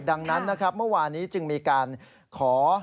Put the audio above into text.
ดังนั้นนะครับเมื่อวานี้จึงมีการขอ